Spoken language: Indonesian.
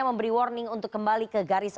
memberi warning untuk kembali ke garis